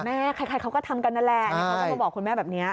แม่ใครเขาก็ทำกันแหละต้องมาบอกคุณแม่แบบนี้